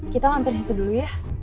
kita mampir di situ dulu ya